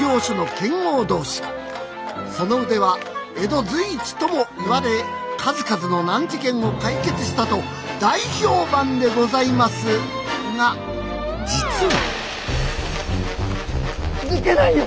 その腕は江戸随一ともいわれ数々の難事件を解決したと大評判でございますが実は抜けないよ！